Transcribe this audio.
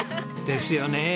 ですよねえ。